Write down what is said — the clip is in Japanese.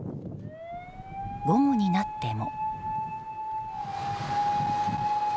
午後になっても。